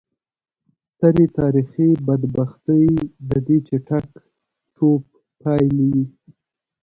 سترې تاریخي بدبختۍ د دې چټک ټوپ پایلې وې.